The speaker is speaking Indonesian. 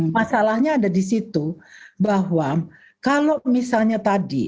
masalahnya ada di situ bahwa kalau misalnya tadi